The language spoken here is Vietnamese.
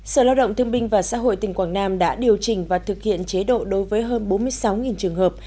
sở lao động thương binh và xã hội tỉnh quảng nam đã điều chỉnh và thực hiện chế độ đối với hơn bốn mươi sáu trường hợp